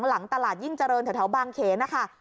หลังตลาดยิ่งเจริญแถวบางเขนนะคะ